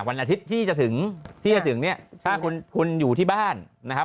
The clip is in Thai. วันอาทิตย์ที่จะถึงที่จะถึงเนี่ยถ้าคุณคุณอยู่ที่บ้านนะครับ